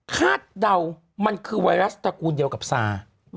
เดามันคือไวรัสตระกูลเดียวกับซา